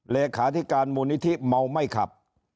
เลขาธิการมูลนิธิเมาไม่ขับ